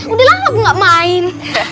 udah lama aku nggak main